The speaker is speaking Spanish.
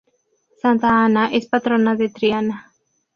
Santa Ana es patrona de Triana.